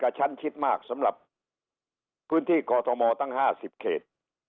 ก็จะประกัดชั้นชิดมากสำหรับพื้นที่คทตั้ง๕๐เขต